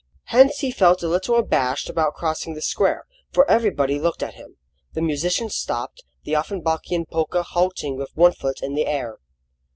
Hence he felt a little abashed about crossing the square, for everybody looked at him. The musicians stopped, the Offenbachian polka halting with one foot in the air.